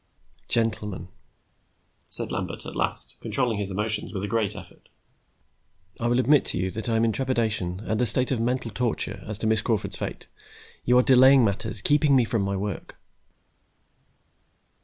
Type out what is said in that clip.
"Gentlemen," said Lambert at last, controlling his emotions with a great effort. "I will admit to you that I am in trepidation and a state of mental torture as to Miss Crawford's fate. You are delaying matters, keeping me from my work."